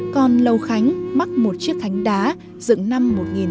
còn lầu khánh mắc một chiếc khánh đá dựng năm một nghìn tám trăm linh ba